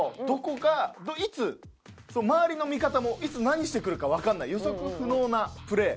いつ周りの味方もいつ何してくるかわかんない予測不能なプレー。